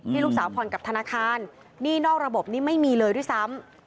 ลูกสาวผ่อนกับธนาคารหนี้นอกระบบนี้ไม่มีเลยด้วยซ้ำ